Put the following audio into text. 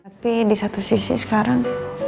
tapi di satu sisi sekarang